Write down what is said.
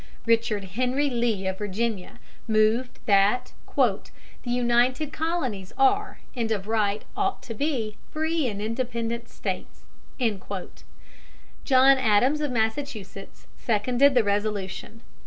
Richard Henry Lee, of Virginia, moved that "the United Colonies are, and of right ought to be, free and Independent states." John Adams, of Massachusetts, seconded the resolution.